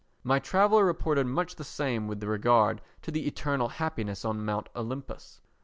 My traveller reported much the same with regard to the eternal happiness on Mount Olympus.